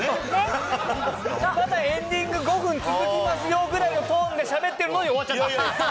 エンディング、５分続きますよ、ぐらいのトーンでしゃべってるのに終わっちゃったという。